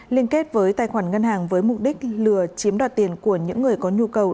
liên kết với tài khoản ngân hàng với mục đích lừa chiếm đoạt tiền của những người có nhu cầu